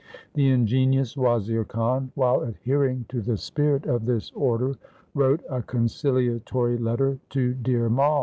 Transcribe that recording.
The ingenious Wazir Khan while adhering to the spirit of this order wrote a conciliatory letter to Dhir Mai.